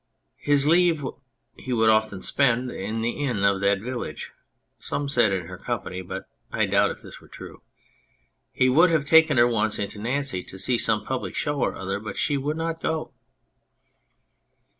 His leave he would often spend in the inn of that village, some said in her company (but I doubt if this were true) ; he would have taken her once into Nancy to see some public show or other, but she would not go.